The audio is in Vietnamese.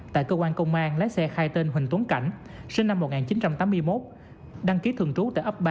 tại cơ quan công an lái xe khai tên huỳnh tuấn cảnh sinh năm một nghìn chín trăm tám mươi một đăng ký thường trú tại ấp ba